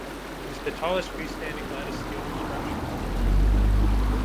It is the tallest freestanding lattice steel construction in the world.